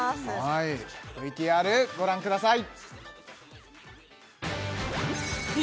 はいＶＴＲご覧ください